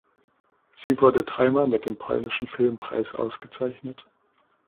Sie wurde dreimal mit dem Polnischen Filmpreis ausgezeichnet.